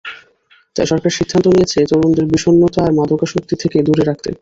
তাই সরকার সিদ্ধান্ত নিয়েছে, তরুণদের বিষণ্নতা আর মাদকাসক্তি থেকে দূরে রাখতে।